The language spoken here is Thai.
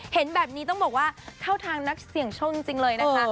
เห็นแบบนี้ต้องบอกว่าเข้าทางนักเสี่ยงโชคจริงเลยนะคะ